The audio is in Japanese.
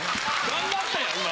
頑張ったやん今！